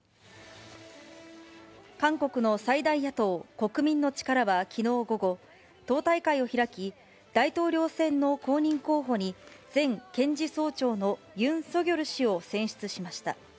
韓国の最大野党・国民の力は、きのう午後、党大会を開き、大統領選の公認候補に、前検事総長のユン・ソギョル氏を選出しました。